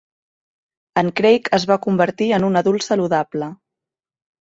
En Craig es va convertir en un adult saludable.